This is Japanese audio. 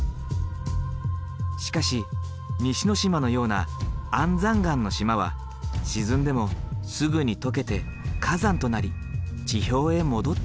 しかし西之島のような安山岩の島は沈んでもすぐに溶けて火山となり地表へ戻ってくる。